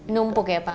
numpuk ya pak